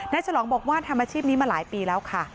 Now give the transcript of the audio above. ฉลองบอกว่าทำอาชีพนี้มาหลายปีแล้วค่ะ